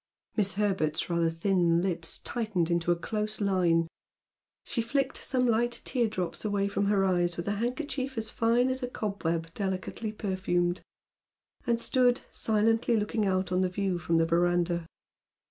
Miss Herbert's rather thin lips tightened into a close line, she flicked some light tear drops away from her eyes with a handkerchief as fine as a cobweb delicately perfumed, and stood silently looking out on the view from the verandah.